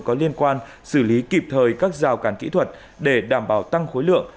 có liên quan xử lý kịp thời các rào càn kỹ thuật để đảm bảo tăng khối lượng